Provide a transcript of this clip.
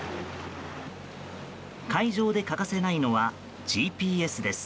海上で欠かせないのはＧＰＳです。